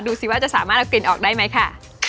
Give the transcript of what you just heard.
ดูสิว่าจะสามารถเอากลิ่นออกได้ไหมค่ะ